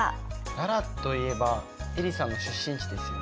奈良といえばえりさんの出身地ですよね。